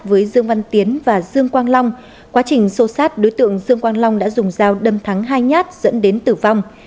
với dương văn tiến và dương quang long quá trình xô sát đối tượng dương quang long đã dùng dao đâm thắng hai nhát dẫn đến tử vong